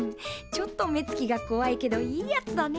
ちょっと目つきがこわいけどいいやつだね。